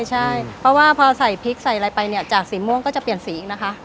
ใช่เพราะว่าพอใส่พริกใส่อะไรไปเนี่ยจากสีม่วงก็จะเปลี่ยนสีอีกนะคะ